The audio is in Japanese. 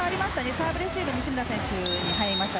サーブレシーブに西村選手が入りました。